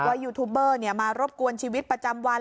ว่ายูทูบเบอร์เนี่ยมารบกวนชีวิตประจำวัน